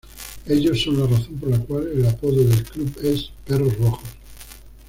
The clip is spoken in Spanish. Ellos son la razón por la cual el apodo del club es "perros rojos".